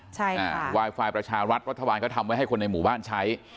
ใช่ค่ะไวไฟประชารัฐรัฐบาลก็ทำไว้ให้คนในหมู่บ้านใช้